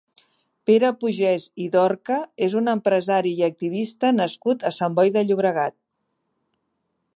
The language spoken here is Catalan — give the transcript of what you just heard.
Pere Pugès i Dorca és un empresari i activista nascut a Sant Boi de Llobregat.